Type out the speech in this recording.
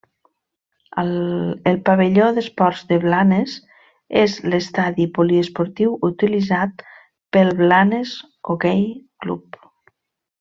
El Pavelló d'Esports de Blanes és l'estadi poliesportiu utilitzat pel Blanes Hoquei Club.